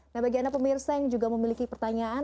nah bagi anda pemirsa yang juga memiliki pertanyaan